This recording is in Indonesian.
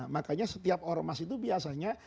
makanya setiap ormas itu biasanya